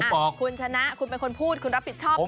บอกคุณชนะคุณเป็นคนพูดคุณรับผิดชอบ